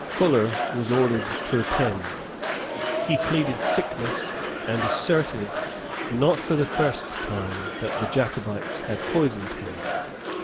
Fuller was ordered to attend. He pleaded sickness, and asserted, not for the first time, that the Jacobites had poisoned him.